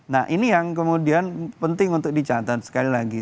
nah ini yang kemudian penting untuk dicatat sekali lagi